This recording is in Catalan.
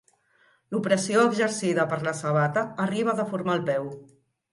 L'opressió exercida per la sabata arriba a deformar el peu.